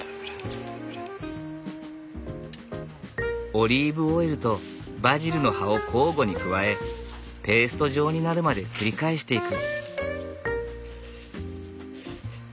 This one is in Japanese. オリーブオイルとバジルの葉を交互に加えペースト状になるまで繰り返していく。